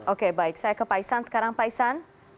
oke baik saya ke paisan sekarang paisan